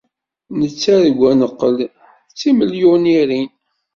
Nettargu ad neqqel d timilyuniṛin.